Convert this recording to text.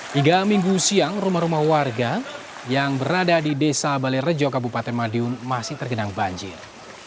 hingga minggu siang rumah rumah warga yang berada di desa balerejo kabupaten madiun masih tergenang banjir